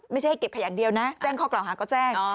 ไม่ใช่ให้เก็บขอย่างเดียวนะแจ้งข้อกล่าวหาก็แจ้ง